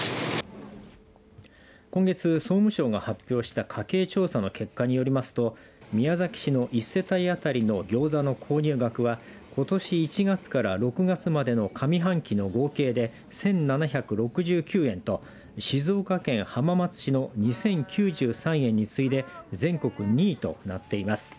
今月、総務省が発表した家計調査の結果によりますと宮崎市の１世帯当たりのぎょうざの購入額はことし１月から６月までの上半期の合計で１７６９円と静岡県浜松市の２０９３円に次いで全国２位となっています。